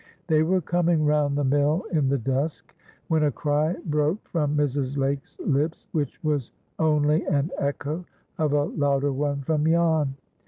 They were coming round the mill in the dusk, when a cry broke from Mrs. Lake's lips; which was only an echo of a louder one from Jan.